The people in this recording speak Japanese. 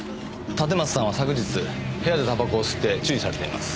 立松さんは昨日部屋でタバコを吸って注意されています。